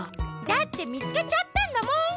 だってみつけちゃったんだもん。